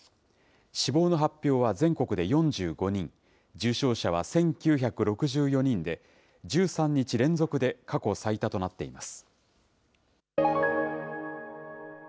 死亡の発表は全国で４５人、重症者は１９６４人で、１３日連続で過去最多となっています。